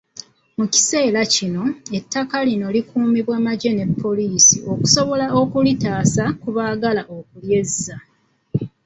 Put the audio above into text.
Mu kiseera kino, ettaka lino likuumibwa magye ne poliisi okusobola okulitaasa ku baagala okulyezza.